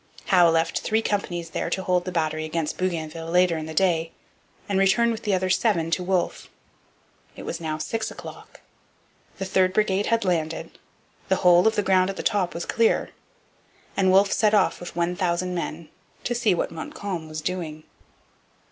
Howe left three companies there to hold the battery against Bougainville later in the day, and returned with the other seven to Wolfe. It was now six o'clock. The third brigade had landed, the whole of the ground at the top was clear; and Wolfe set off with 1,000 men to see what Montcalm was doing.